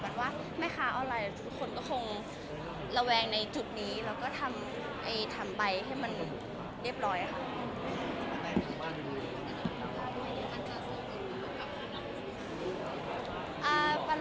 ซึ่งมันคิดว่าสองเรื่องนี้มันเป็นเรื่องที่แยกกันนะคะ